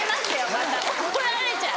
また怒られちゃう。